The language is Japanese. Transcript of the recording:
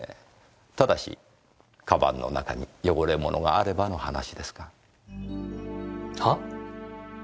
ただし鞄の中に汚れ物があればの話ですが。は？